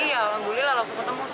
iya langsung ketemu